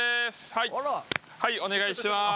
はいはいお願いします。